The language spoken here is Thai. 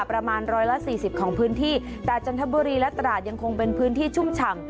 ประมาณร้อยละสี่สิบของพื้นที่แต่จันทบุรีและตราดยังคงเป็นพื้นที่ชุ่มฉ่ำ